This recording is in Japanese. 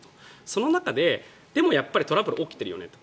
その中ででもやっぱりトラブルが起きていると。